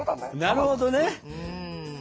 なるほどね。